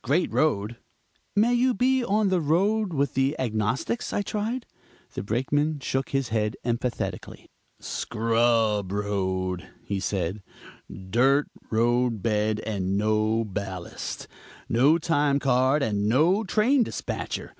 Great road." "May be you rode with the Agnostics?" I tried. The Brakeman shook his head emphatically. "Scrub road," he said, "dirt road bed and no ballast; no time card, and no train dispatcher.